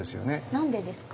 何でですか？